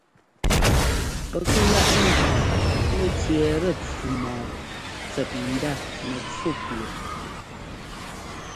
Pɛ́k láꞌ ŋ́gʉ nɛ́ tsẅɛ́ɛtɛ pfú mɔ́ɔ tsɛt ndá mɛpfú pʉɔ.